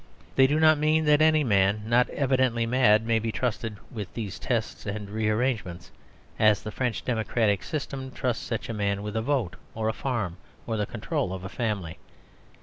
They do not mean that any man not evidently mad may be trusted with these tests and re arrangements, as the French democratic system trusts such a man with a vote or a farm or the control of a family.